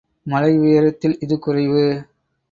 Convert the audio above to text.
மலை உயரத்தில் இது குறைவு.